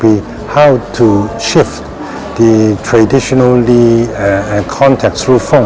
dengan kontak secara tradisional melalui telepon